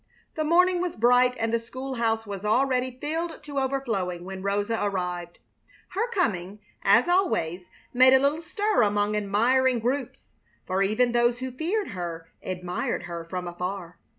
The morning was bright, and the school house was already filled to overflowing when Rosa arrived. Her coming, as always, made a little stir among admiring groups, for even those who feared her admired her from afar.